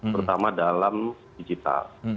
pertama dalam digital